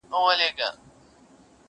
له کښې پورته د مرغیو ترانې وې؛